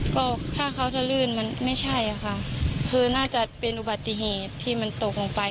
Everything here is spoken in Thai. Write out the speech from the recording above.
ก็ถ้าเขาจะลื่นมันไม่ใช่ค่ะคือน่าจะเป็นอุบัติเหตุที่มันตกลงไป